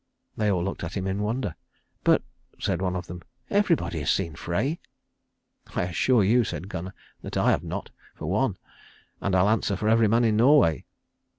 They all looked at him in wonder. "But," said one of them, "everybody has seen Frey." "I assure you," said Gunnar, "that I have not for one. And I'll answer for every man in Norway."